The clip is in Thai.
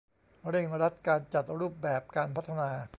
เร่งรัดการจัดรูปแบบการพัฒนา